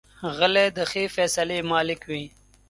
غلی، د ښې فیصلې مالک وي.